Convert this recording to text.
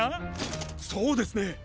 そうですね。